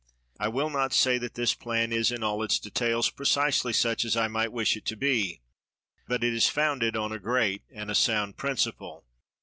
I will not say that this plan is in all its details precisely such as I might wish it to be; but it is founded on a great and a sound principle.